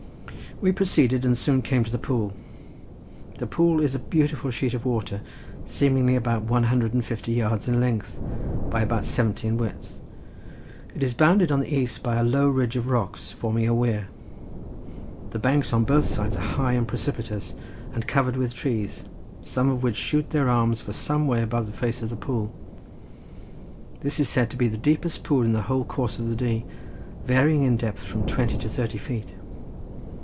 We proceeded, and soon came to the pool. The pool is a beautiful sheet of water, seemingly about one hundred and fifty yards in length, by about seventy in width. It is bounded on the east by a low ridge of rocks forming a weir. The banks on both sides are high and precipitous, and covered with trees, some of which shoot their arms for some way above the face of the pool. This is said to be the deepest pool in the whole course of the Dee, varying in depth from twenty to thirty feet.